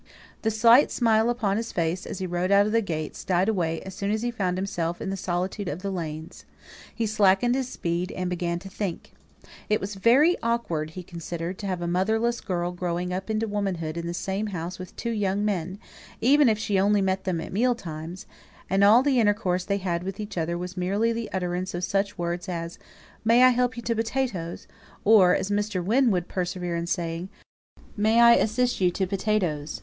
The slight smile upon his face, as he rode out of the gates, died away as soon as he found himself in the solitude of the lanes. He slackened his speed, and began to think. It was very awkward, he considered, to have a motherless girl growing up into womanhood in the same house with two young men, even if she only met them at meal times; and all the intercourse they had with each other was merely the utterance of such words as, "May I help you to potatoes?" or, as Mr. Wynne would persevere in saying, "May I assist you to potatoes?"